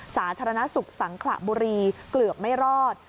สาธารณสุขสังขระบุรีเกือบไม่รอด